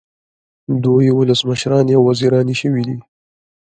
دوی ولسمشرانې او وزیرانې شوې دي.